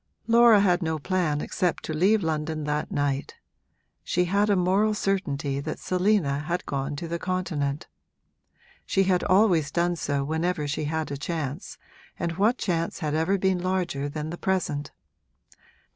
Laura had no plan except to leave London that night; she had a moral certainty that Selina had gone to the Continent. She had always done so whenever she had a chance, and what chance had ever been larger than the present?